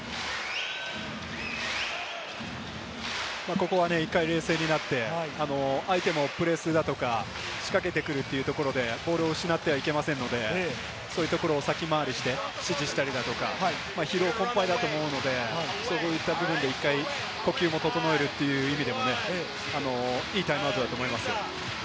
ここは１回冷静になって、相手もプレスだとか仕掛けてくるというところで、ボールを失ってはいけませんので、そういうところを先回りして指示したりだとか、疲労困憊だと思うので、そういった部分で１回呼吸を整えるという意味でもいいタイムアウトだと思います。